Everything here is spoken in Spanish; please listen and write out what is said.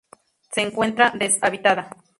Se encuentra deshabitada.